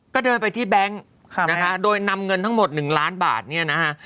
ก็เดินไปที่แบงค์นะคะโดยนำเงินทั้งหมด๑ล้านบาทเนี่ยนะฮะ